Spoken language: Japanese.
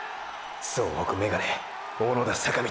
総北メガネ小野田坂道！！